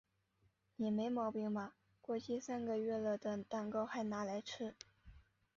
你没毛病吧？过期三个月了的蛋糕嗨拿来吃？